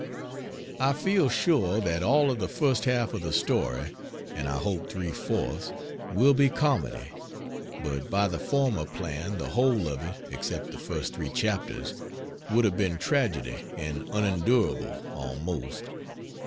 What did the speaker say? I feel sure that all of the first half of the story and I hope three fourths will be comedy; but by the former plan the whole of it (except the first 3 chapters) would have been tragedy and unendurable, almost.